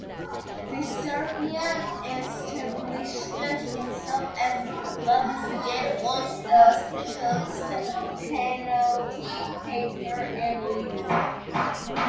The Serbian established himself as the club's dead-ball specialist, penalty taker and leader.